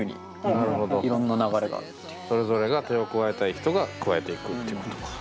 それぞれが手を加えたい人が加えていくっていうことか。